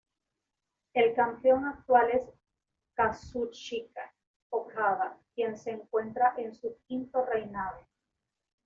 El campeón actual es Kazuchika Okada, quien se encuentra en su quinto reinado.